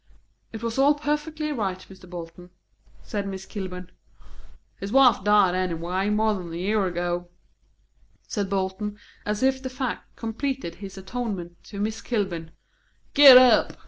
"It was all perfectly right, Mr. Bolton," said Miss Kilburn. "His wife died anyway, more than a year ago," said Bolton, as if the fact completed his atonement to Miss Kilburn, "Git ep!